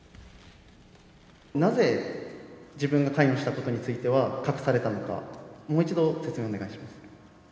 なぜ自分が関与したことについては隠されたのか、もう一度説明をお願いします。